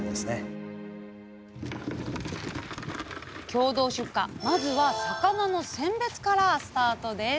共同出荷まずは魚の選別からスタートです。